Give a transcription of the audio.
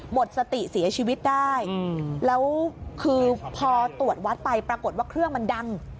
หมดสติเสียชีวิตได้แล้วคือพอตรวจวัดไปปรากฏว่าเครื่องมันดัง